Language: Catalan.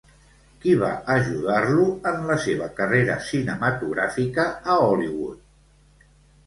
Qui va ajudar-lo en la seva carrera cinematogràfica a Hollywood?